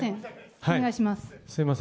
お願いします。